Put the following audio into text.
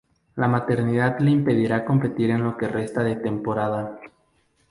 La maternidad le impedirá competir en lo que resta de temporada.